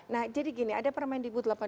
nah jadi gini ada permendik